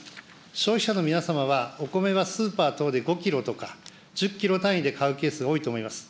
消費者の皆様は、お米はスーパー等で５キロとか、１０キロ単位で買うケースが多いと思います。